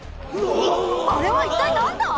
あれは一体何だ！？